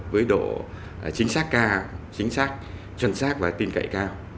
với độ chính xác cao chính xác chuẩn xác và tin cậy cao